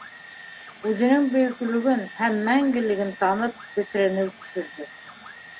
Үҙенең бөйөклөгөн һәм мәңгелеген танып тетрәнеү кисерҙе.